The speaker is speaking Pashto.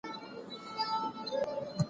زه به اوږده موده د لغتونو زده کړه کړې وم!؟